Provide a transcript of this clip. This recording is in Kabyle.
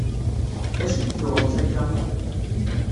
D acu i d-tuɣemt akka?